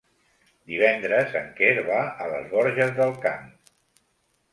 Divendres en Quer va a les Borges del Camp.